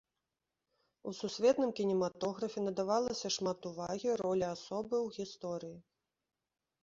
У сусветным кінематографе надавалася шмат увагі ролі асобы ў гісторыі.